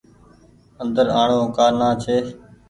اندر آڻو ڪآ نآ ڇي۔